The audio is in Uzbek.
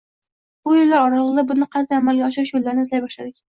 Bu yillar oraligʻida buni qanday amalga oshirish yoʻllarini izlay boshladik.